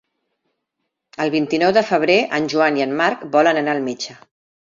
El vint-i-nou de febrer en Joan i en Marc volen anar al metge.